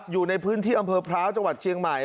อยู่ในพื้นที่อำเภอพร้าวจังหวัดเชียงใหม่